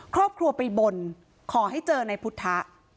ครอบครัวไปบนขอให้เจอในพุทธ